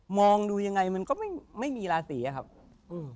องดูยังไงมันก็ไม่ไม่มีราศีอะครับอืม